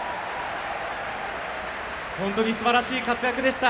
本当にすばらしい活躍でした。